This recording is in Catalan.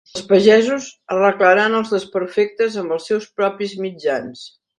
Els pagesos arreglaran els desperfectes amb els seus propis mitjans